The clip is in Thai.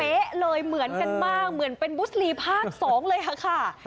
เลยเหมือนกันมากเหมือนเป็นบุษรีภาค๒เลยค่ะ